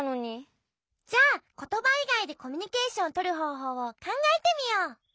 じゃあことばいがいでコミュニケーションをとるほうほうをかんがえてみよう！